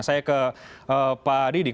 saya ke pak didik